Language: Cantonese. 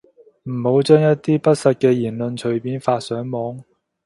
唔好將一啲不實嘅言論隨便發上網